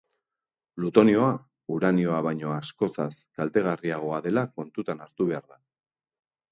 Plutonioa uranioa baino askozaz kaltegarriagoa dela kontutan hartu behar da.